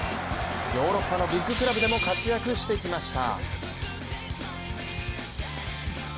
ヨーロッパのビッグクラブでも活躍してきました。